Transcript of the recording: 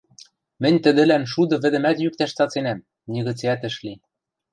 Мӹнь тӹдӹлӓн шуды вӹдӹмӓт йӱктӓш цаценӓм, нигыцеӓт ӹш ли...